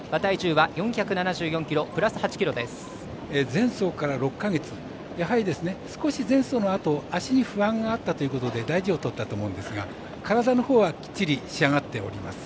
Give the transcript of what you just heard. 前走から６か月やはり少し前走のあと脚に不安があったということで大事をとったと思うんですが体のほうは、きっちり仕上がっております。